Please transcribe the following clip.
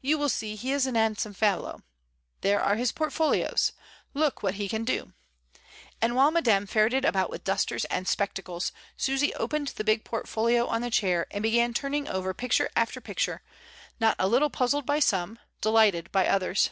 you will see he is a 'andsome fellow. There are his portfolios. Look, what he can do;" and while Ma dame ferreted about with dusters and spectacles, Susy opened the big portfolio on the chair, and be gan turning over picture after picture, not a little puzzled by some, delighted by others.